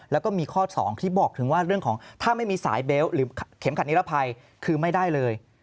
แล้วก็มีข้อ๒ที่บอกถึงว่าเรื่องของถ้าไม่มีสายเบลต์หรือเข็มขัดนิรภัยคือไม่ได้เลย